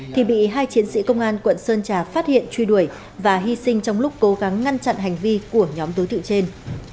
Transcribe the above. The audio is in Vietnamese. thì bị hai chiến sĩ công an quận sơn trà phát hiện truy đuổi và hy sinh trong lúc cố gắng ngăn chặn hành vi của nhóm đối tượng trên